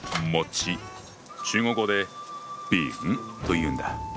中国語で「」というんだ。